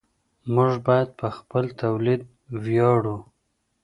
موږ باید په خپل تولید ویاړو.